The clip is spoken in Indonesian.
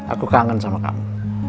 aku kangen sama kamu